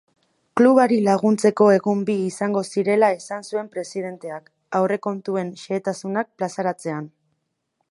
Klubari laguntzeko egun bi izango zirela esan zuen presidenteak aurrekontuen xehetasunak plazaratzean.